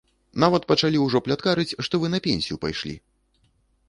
Нават пачалі ўжо пляткарыць, што вы на пенсію пайшлі!